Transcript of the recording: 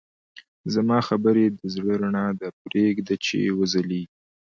زما خبرې د زړه رڼا ده، پرېږده چې وځلېږي.